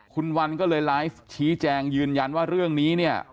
คุณวันก็เลยไลฟ์ชี้แจงยืนยันว่าเรื่องนี้เนี่ย